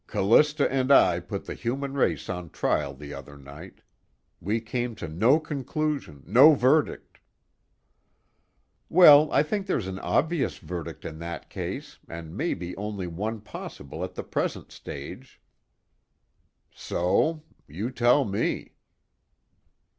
"Callista and I put the human race on trial the other night. We came to no conclusion, no verdict." "Well, I think there's an obvious verdict in that case, and maybe only one possible at the present stage." "So? You tell me."